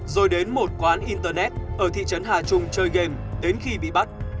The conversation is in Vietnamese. rồi đến một quán internet ở thị trấn hà trung chơi game đến khi bị bắt